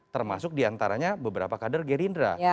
termasuk diantaranya beberapa kader gerindra